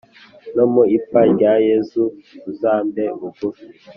No mu ipfa ryanjye yesu uzambe bugufi